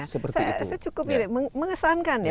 saya cukup mengesankan ya